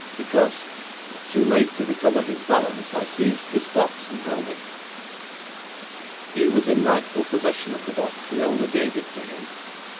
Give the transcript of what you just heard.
'Because, too late to recover his balance, I seized this box and held it.' 'He was in rightful possession of the box; the owner gave it to him.'